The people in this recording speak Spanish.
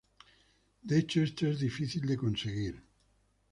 De hecho esto es difícil de conseguir.